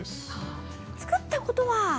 作ったことは？